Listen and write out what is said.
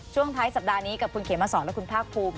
ช่วงท้ายสัปดาห์นี้กับคุณเขมสอนและคุณภาคภูมิ